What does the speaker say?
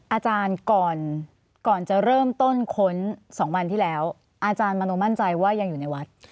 อาจารย์ก่อนจะเริ่มต้นค้น๒วันที่แล้วอาจารย์มโนมั่นใจว่ายังอยู่ในวัด